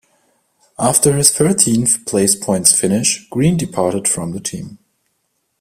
After his thirteenth-place points finish, Green departed from the team.